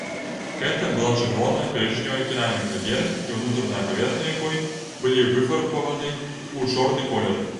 Гэта была чырвона-карычневая кераміка, верх і ўнутраная паверхня якой былі выфарбаваны ў чорны колер.